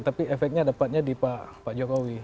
tapi efeknya dapatnya di pak jokowi